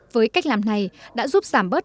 với cách làm này đã giúp giảm bớt